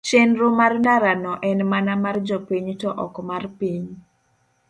chenro mar ndara no en mana mar jopiny to ok mar piny